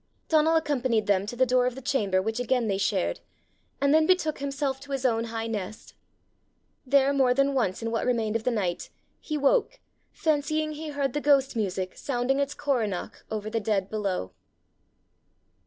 Donal accompanied them to the door of the chamber which again they shared, and then betook himself to his own high nest. There more than once in what remained of the night, he woke, fancying he heard the ghost music sounding its coronach over the dead below.